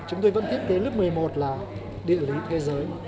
chúng tôi vẫn thiết kế lớp một mươi một là địa lý thế giới